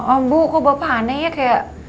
ambu kok bapak aneh ya kayak